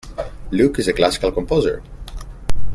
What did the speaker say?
Luke is a classical composer.